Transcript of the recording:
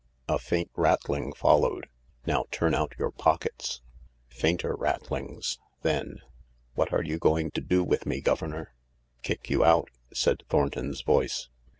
A faint rattling followed. " Now turn out your pockets." Fainter rattlings. Then :" What are you going to do with me, governor ?"" Kick you out !" said Thornton's voice.